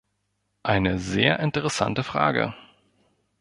Eine sehr interessante Frage!